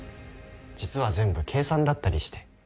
実は全部計算だったりして。